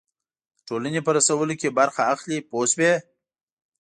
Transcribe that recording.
د ټولنې په رسولو کې برخه اخلي پوه شوې!.